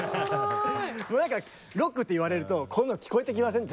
なんかロックって言われるとこんなの聞こえてきません？